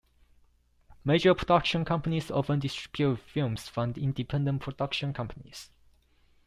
Major production companies often distribute films from independent production companies.